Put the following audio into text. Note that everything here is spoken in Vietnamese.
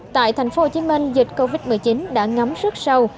tại tp hcm dịch covid một mươi chín đã ngắm rất sâu